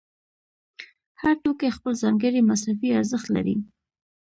هر توکی خپل ځانګړی مصرفي ارزښت لري